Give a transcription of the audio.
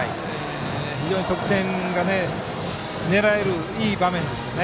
非常に得点が狙えるいい場面ですよね。